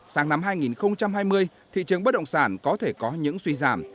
sáng năm hai nghìn hai mươi thị trường bất động sản có thể có những suy giảm